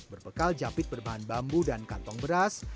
berbekal jampit perbahan bambu dan kantong beras